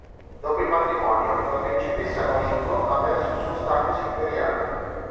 Dopo il matrimonio, la principessa Noriko ha perso il suo status imperiale.